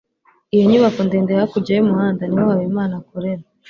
iyo nyubako ndende hakurya y'umuhanda niho habimana akorera